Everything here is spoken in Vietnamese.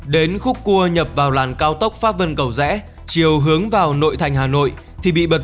đến khúc cua nhập vào làn cao tốc pháp vân cầu rẽ chiều hướng vào nội thành hà nội thì bị bật